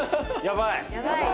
やばい？